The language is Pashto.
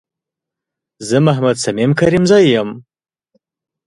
زه محمد صميم کريمزی یم